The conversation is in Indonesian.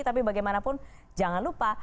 tapi bagaimanapun jangan lupa